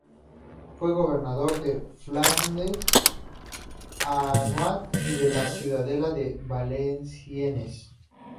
Fue Gobernador de Flandes, Hainaut y de la ciudadela de Valenciennes.